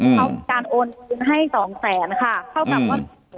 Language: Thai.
เขาการโอนซื้อให้สองแสนค่ะเข้ากับว่าอืม